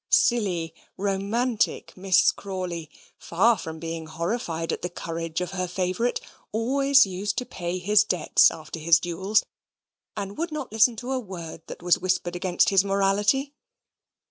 Silly, romantic Miss Crawley, far from being horrified at the courage of her favourite, always used to pay his debts after his duels; and would not listen to a word that was whispered against his morality.